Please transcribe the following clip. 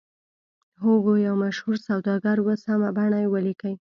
هوګو یو مشهور سوداګر و سمه بڼه ولیکئ.